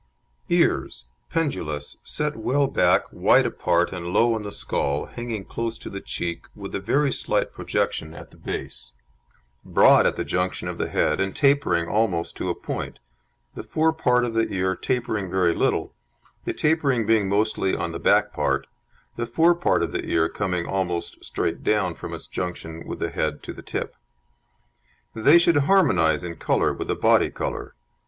EARS Pendulous, set well back, wide apart and low on the skull, hanging close to the cheek, with a very slight projection at the base, broad at the junction of the head and tapering almost to a point, the fore part of the ear tapering very little, the tapering being mostly on the back part, the fore part of the ear coming almost straight down from its junction with the head to the tip. They should harmonise in colour with the body colour.